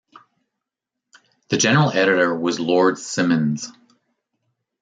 The general editor was Lord Simonds.